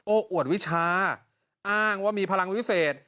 อวดวิชาอ้างว่ามีพลังวิเศษ